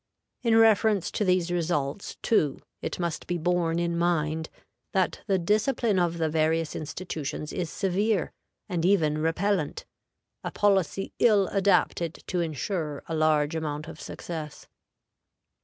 In reference to these results, too, it must be borne in mind that the discipline of the various institutions is severe, and even repellent, a policy ill adapted to insure a large amount of success.